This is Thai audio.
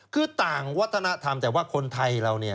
คือต่างวัฒนธรรมแต่ว่าคนไทยเราเนี่ย